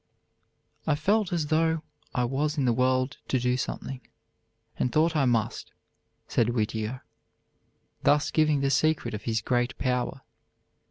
"I felt that I was in the world to do something, and thought I must," said Whittier, thus giving the secret of his great power.